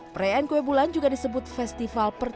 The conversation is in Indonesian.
perayaan kue bulan juga disebut festival pertama